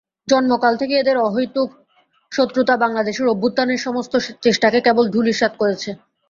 জন্মকাল থেকে এদের অহৈতুক শত্রুতা বাংলাদেশের অভ্যুত্থানের সমস্ত চেষ্টাকে কেবলই ধূলিসাৎ করছে।